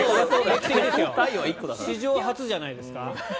史上初じゃないですか？